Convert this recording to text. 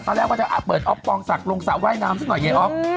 ตอนแรกก็จะเปิดออฟปองศักดิ์ลงสระว่ายน้ำสักหน่อยเย้อ๊อฟ